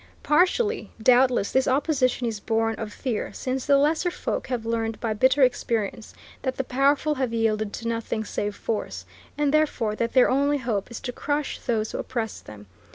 Partially, doubtless, this opposition is born of fear, since the lesser folk have learned by bitter experience that the powerful have yielded to nothing save force, and therefore that their only hope is to crush those who oppress them.